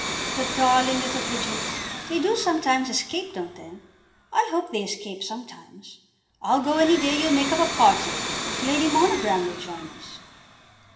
"The darling little pigeons! They do sometimes escape, don't they? I hope they escape sometimes. I'll go any day you'll make up a party, if Lady Monogram will join us."